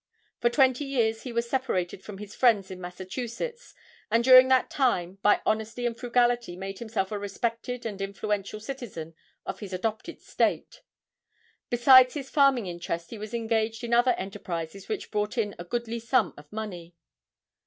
For twenty years he was separated from his friends in Massachusetts and during that time, by honesty and frugality made himself a respected and influential citizen of his adopted state. Besides his farming interest he was engaged in other enterprises which brought in a goodly sum of money.